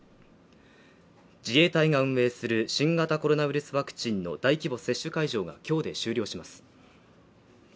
自衛隊が運営する新型コロナウイルスワクチンの大規模接種会場が今日で終了します。